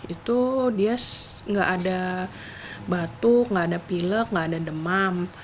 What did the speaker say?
itu dia gak ada batuk gak ada pilek gak ada demam